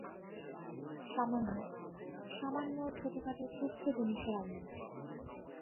সামান্য, সামান্য ছোটখাটো তুচ্ছ জিনিসের আনন্দ!